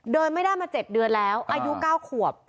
เดินไม่ได้มา๗เดือนแล้วอายุ๙ขวบ